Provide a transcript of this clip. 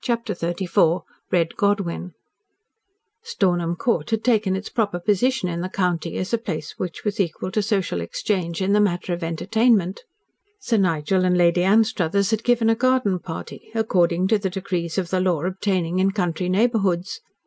CHAPTER XXXIV RED GODWYN Stornham Court had taken its proper position in the county as a place which was equal to social exchange in the matter of entertainment. Sir Nigel and Lady Anstruthers had given a garden party, according to the decrees of the law obtaining in country neighbourhoods.